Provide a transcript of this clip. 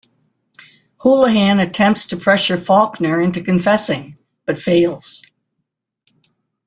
Hoolihan attempts to pressure Faulkner into confessing, but fails.